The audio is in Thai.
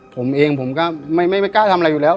ผมเองผมก็ไม่กล้าทำอะไรอยู่แล้ว